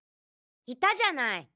いたじゃない。